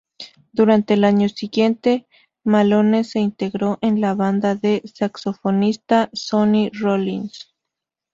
Durante el año siguiente, Malone se integró en la banda del saxofonista Sonny Rollins.